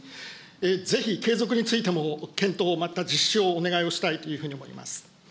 ぜひ継続についても検討を、また実施をお願いをしたいというふうに思います。